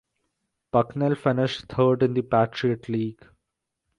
Bucknell finished third in the Patriot League.